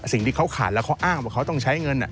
สิ่งที่เขาขาดแล้วเขาอ้างว่าเขาต้องใช้เงิน